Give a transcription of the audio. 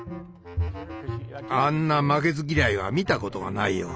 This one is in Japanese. あんな負けず嫌いは見たことがないよ。